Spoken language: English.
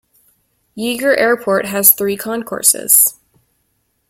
Yeager Airport has three concourses.